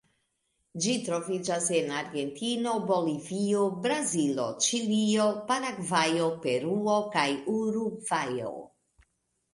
Ĝi troviĝas en Argentino, Bolivio, Brazilo, Ĉilio, Paragvajo, Peruo kaj Urugvajo.